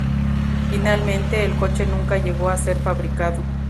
Finalmente, el coche nunca llegó a ser fabricado.